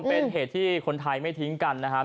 เป็นเหตุที่คนไทยไม่ทิ้งกันนะครับ